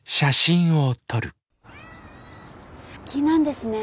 好きなんですね？